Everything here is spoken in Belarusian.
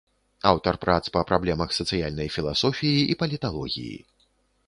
Аўтар прац па праблемах сацыяльнай філасофіі і паліталогіі.